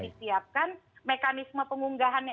disiapkan mekanisme pengunggahannya